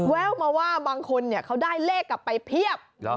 แววมาว่าบางคนเขาได้เลขกลับไปเพียบ